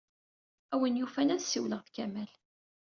A win yufan, ad ssiwleɣ ed Kamal.